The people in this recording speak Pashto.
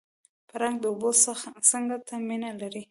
پړانګ د اوبو څنګ ته مینه لري.